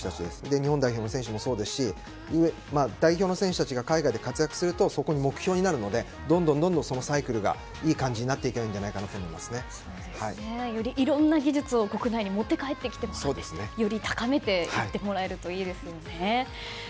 日本代表の選手もそうですし代表の選手たちが海外で活躍するとそこが目標になるのでサイクルがいい感じになっていけばよりいろんな技術を国内に持って帰ってきてもらってより高めていってもらえるといいですよね。